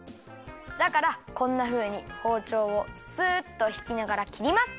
だからこんなふうにほうちょうをスッとひきながらきります！